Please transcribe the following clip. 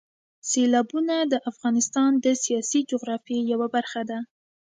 سیلابونه د افغانستان د سیاسي جغرافیې یوه برخه ده.